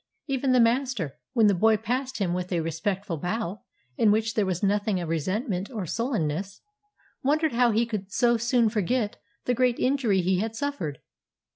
Even the master, when the boy passed him with a respectful bow, in which there was nothing of resentment or sullenness, wondered how he could so soon forget the great injury he had suffered.